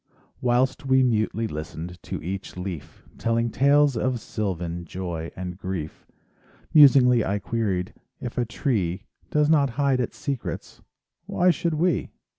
Whilst we mutely listened To each leaf Telling tales of sylvan Joy and grief, Musingly I queried: If a tree Does not hide its secrets— Why should we?